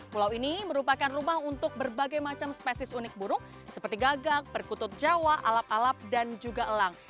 pulau ini merupakan rumah untuk berbagai macam spesies unik buruk seperti gagak berkutut jawa alap alap dan juga elang